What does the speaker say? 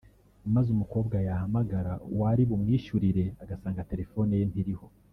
maze umukobwa yahamagara uwari bumwishyurire agasanga telefone ye ntiriho